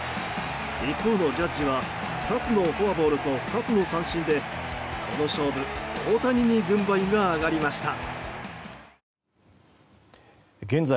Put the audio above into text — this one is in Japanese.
一方のジャッジは２つのフォアボールと２つの三振でこの勝負大谷に軍配が上がりました。